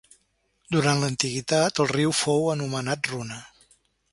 Durant l'antiguitat el riu fou anomenat Runa.